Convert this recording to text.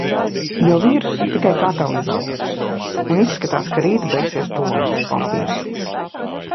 Jo vīruss ir tikai katalizators. Un izskatās, ka rīt beigsies tualetes papīrs.